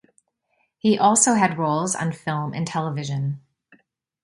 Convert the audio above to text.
He also had roles on film and television.